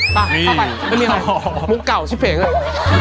ข้าวไปมุมเก่าชิ้นแนวเหรอ